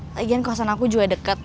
lagian kawasan aku juga dekat